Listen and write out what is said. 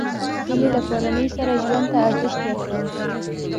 هیلۍ له کورنۍ سره ژوند ته ارزښت ورکوي